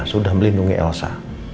sudah melindungi elsa